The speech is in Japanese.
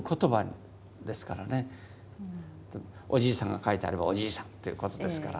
おじいさんが描いてあればおじいさんっていうことですから。